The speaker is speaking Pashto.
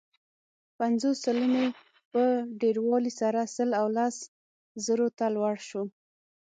پنځوس سلنې په ډېروالي سره سل او لس زرو ته لوړ شو.